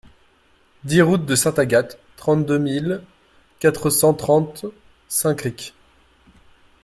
dix route de Sainte-Agathe, trente-deux mille quatre cent trente Saint-Cricq